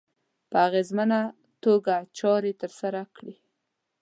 په اغېزمنه توګه چارې ترسره کړي.